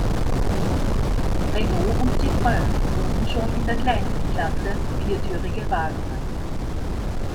Renault und Citroën boten schon in der kleinsten Klasse viertürige Wagen an.